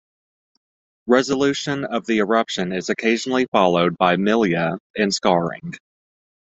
Resolution of the eruption is occasionally followed by milia and scarring.